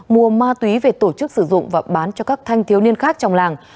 mua ma túy về tổ chức sử dụng và bán cho các thanh thiếu niên khác trong làng